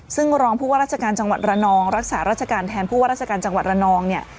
ซึ่งรองผู้ว่าราชการจังหวัดระนองรักษาราชการแทนผู้ว่าราชการจังหวัดระนองเนี่ย